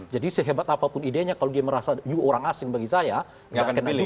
jadi sehebat apapun idenya kalau dia merasa yuk orang asing bagi saya gak akan dipilih